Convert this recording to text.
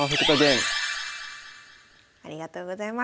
ありがとうございます。